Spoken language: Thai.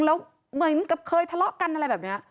แล้วเหมือนกับเคยทะเลาะกันอะไรแบบนี้